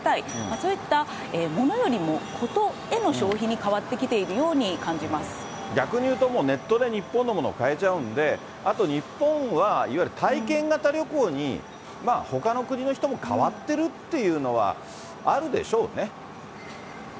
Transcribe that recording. そういったものよりもことへの消費のほうに変わってきているよう逆に言うと、もうネットで日本のもの買えちゃうんで、あと日本はいわゆる体験型旅行にほかの国の人も変わってるっていうのはあるでしょうね。